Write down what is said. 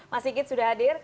mas sigit sudah hadir